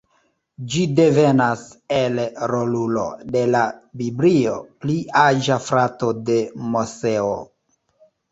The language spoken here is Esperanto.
Ĝi devenas el rolulo de la Biblio, pli aĝa frato de Moseo.